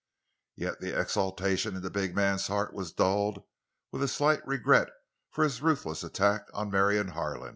Yet the exultation in the big man's heart was dulled with a slight regret for his ruthless attack on Marion Harlan.